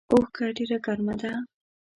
اوښکه ډیره ګرمه ده